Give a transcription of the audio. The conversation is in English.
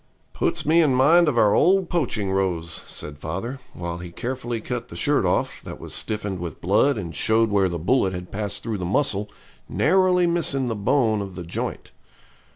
'Puts me in mind of our old poaching rows,' said father, while he carefully cut the shirt off, that was stiffened with blood and showed where the bullet had passed through the muscle, narrowly missing the bone of the joint.